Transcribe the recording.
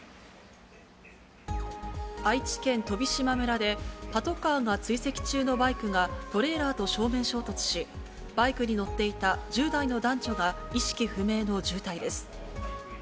愛知県飛島村で、パトカーが追跡中のバイクが、トレーラーと正面衝突し、バイクに乗っていた１０代の男女が意識不明の重体です。